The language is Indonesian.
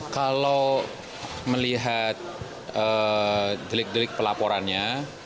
kalau melihat delik delik pelaporannya